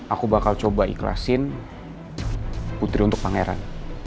aku bakal coba ikhlasin putri untuk pangeran